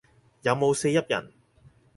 有冇四邑人